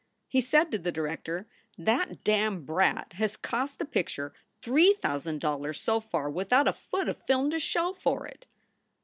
He said to the director, "That damned brat has cost the picture three thousand dollars so far without a foot of film to show for it."